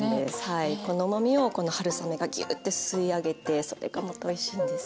このうまみをこの春雨がギューッて吸い上げてそれがまたおいしいんです。